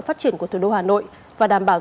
phát triển của thủ đô hà nội và đảm bảo